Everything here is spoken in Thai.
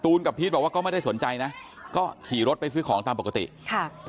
กับพีชบอกว่าก็ไม่ได้สนใจนะก็ขี่รถไปซื้อของตามปกติค่ะ